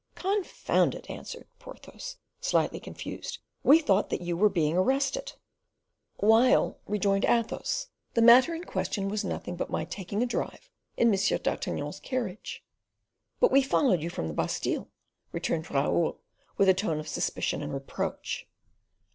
"Confound it," answered Porthos, slightly confused, "we thought that you were being arrested." "While," rejoined Athos, "the matter in question was nothing but my taking a drive in M. d'Artagnan's carriage." "But we followed you from the Bastile," returned Raoul, with a tone of suspicion and reproach.